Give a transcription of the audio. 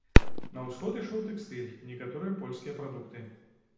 На ўсход ішоў тэкстыль, некаторыя польскія прадукты.